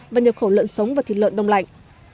và nhập khẩu lợn sống và thịt lợn đông lạnh